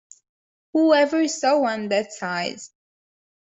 Who ever saw one that size?